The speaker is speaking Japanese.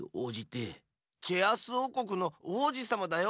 チェアースおうこくのおうじさまだよ！